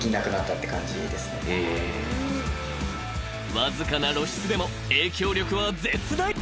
［わずかな露出でも影響力は絶大］